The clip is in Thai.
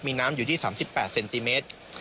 มีน้ำอยู่ที่๓๘เซนติเมตร